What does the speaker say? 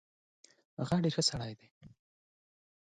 هغه ډیر خه سړی دی